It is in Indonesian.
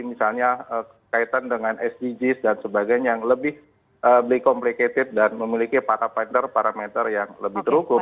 misalnya kaitan dengan sdgs dan sebagainya yang lebih complicated dan memiliki parameter yang lebih terukur